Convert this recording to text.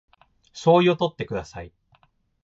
醤油をとってください